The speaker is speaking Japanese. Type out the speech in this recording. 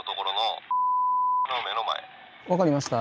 分かりました。